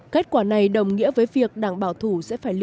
kết quả này đồng nghĩa với việc đảng bảo thủ sẽ phải lựa chọn một chính phủ mới